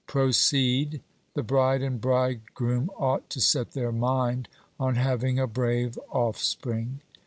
'Proceed,' the bride and bridegroom ought to set their mind on having a brave offspring.